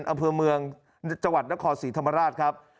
อำเภอเมืองจังหวัดนครศรีธรรมราชครับ